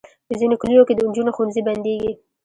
په ځینو کلیو کې د انجونو ښوونځي بندېږي.